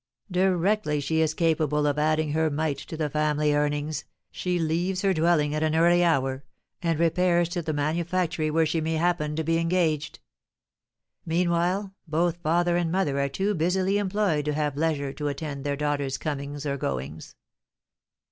Directly she is capable of adding her mite to the family earnings, she leaves her dwelling at an early hour, and repairs to the manufactory where she may happen to be engaged. Meanwhile, both father and mother are too busily employed to have leisure to attend to their daughter's comings or goings.